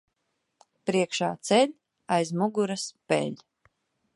Priekšā ceļ, aiz muguras peļ.